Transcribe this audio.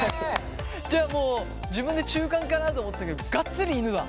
じゃあもう自分で中間かなと思ったけどガッツリ犬だ。